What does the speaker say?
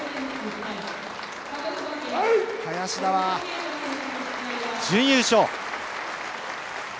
林田は準優勝。